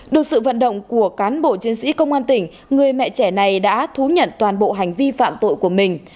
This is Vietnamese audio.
được sự vận động của cán bộ chiến sĩ công an tỉnh người mẹ trẻ này đã thú nhận toàn bộ hành vi phạm tội của mình